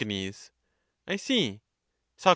I see. Soc.